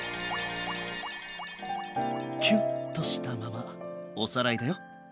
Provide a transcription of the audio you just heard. キュンとしたままおさらいだよ。